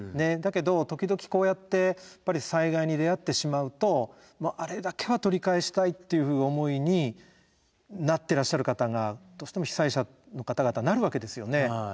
だけど時々こうやってやっぱり災害に出会ってしまうとあれだけは取り返したいっていう思いになってらっしゃる方がどうしても被災者の方々なるわけですよね。